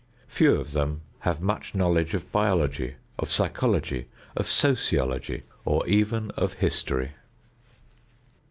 Few of them have much knowledge of biology, of psychology, of sociology, or even of history.